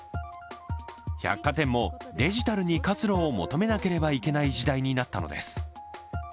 百貨店もデジタルに活路を求めなければいけない時代になったのです。